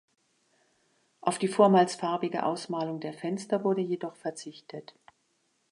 Auf die vormals farbige Ausmalung der Fenster wurde jedoch verzichtet.